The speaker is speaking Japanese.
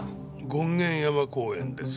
権現山公園です。